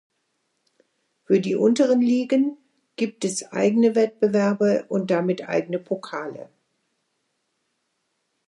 Für die unteren Ligen gibt es eigene Wettbewerbe und damit eigene Pokale.